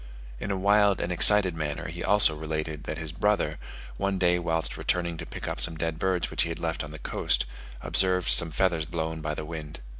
In a wild and excited manner he also related, that his brother, one day whilst returning to pick up some dead birds which he had left on the coast, observed some feathers blown by the wind.